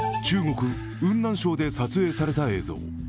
中国・雲南省で撮影された映像。